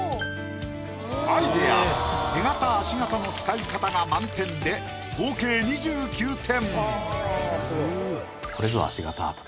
アイディア手形足形の使い方が満点で合計２９点。